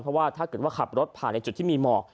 เพราะว่าถ้าเกิดว่าขับรถผ่านในจุดที่มีหมอก